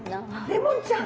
レモンちゃん。